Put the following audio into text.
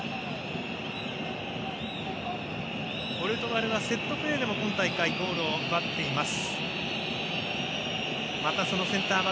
ポルトガルはセットプレーでも今大会ゴールを奪っています。